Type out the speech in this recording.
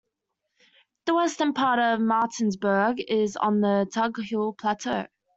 The western part of Martinsburg is on the Tug Hill Plateau.